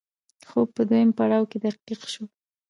خو په دويم پړاو کې دقيق شو